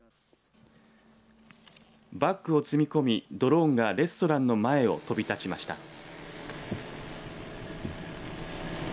バッグを積み込みドローンがレストランの前を飛び立ちました。